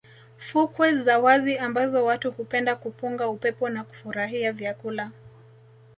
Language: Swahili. fukwe za wazi ambazo watu hupenda kupunga upepo na kufurahia vyakula